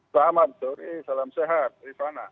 selamat sore salam sehat